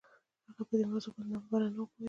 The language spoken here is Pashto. هغه په دې موضوع باندې ناببره نه و پوهېدلی.